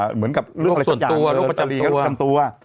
เหมือนกับลูกส่วนตัวลูกประจำตัว